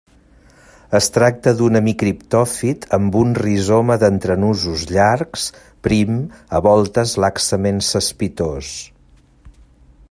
Es tracta d'un hemicriptòfit amb un rizoma d'entrenusos llargs, prim, a voltes laxament cespitós.